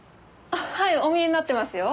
はいお見えになってますよ。